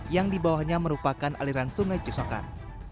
yang di bawahnya merupakan aliran sungai cisokan